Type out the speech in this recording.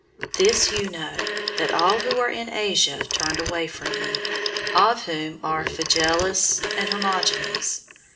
001:015 This you know, that all who are in Asia turned away from me; of whom are Phygelus and Hermogenes.